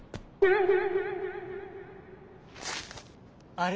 あれ？